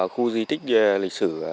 khu di tích lịch sử